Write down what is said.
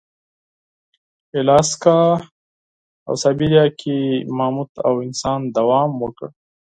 الاسکا او سابیریا کې ماموت او انسان دوام وکړ.